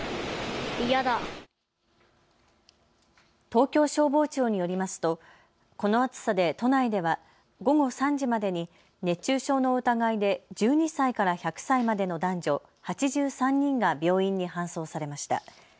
東京消防庁によりますとこの暑さで都内では午後３時までに熱中症の疑いで１２歳から１００歳までの男女８３人が病院に搬送されました。